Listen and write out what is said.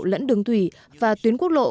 lẫn đường thủy và tuyến quốc lộ